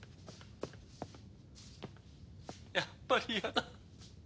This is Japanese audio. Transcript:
やっぱり嫌だ。